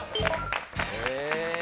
へえ。